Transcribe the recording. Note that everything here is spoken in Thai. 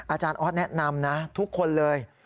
อาจารย์ออสแนะนำนะทุกคนเลย